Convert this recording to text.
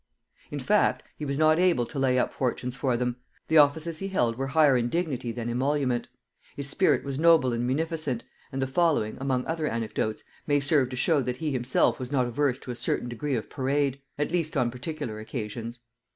In fact, he was not able to lay up fortunes for them; the offices he held were higher in dignity than emolument; his spirit was noble and munificent; and the following, among other anecdotes, may serve to show that he himself was not averse to a certain degree of parade; at least on particular occasions.